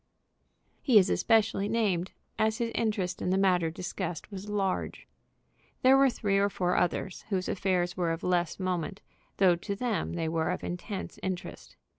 He is especially named, as his interest in the matter discussed was large. There were three or four others, whose affairs were of less moment, though to them they were of intense interest.